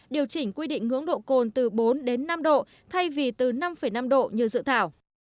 điều chỉnh quy định ngưỡng độ cồn từ bốn đến năm độ thay vì từ năm năm độ như dự thảo